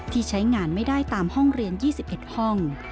ใช้งานไม่ได้ตามห้องเรียน๒๑ห้อง